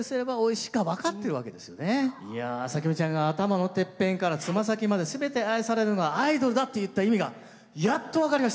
鮭美ちゃんが「頭のてっぺんからつま先まですべて愛されるのがアイドルだ」って言った意味がやっと分かりました！